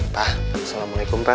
pak assalamualaikum pak